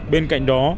bên cạnh đó